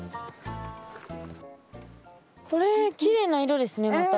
これきれいな色ですねまた。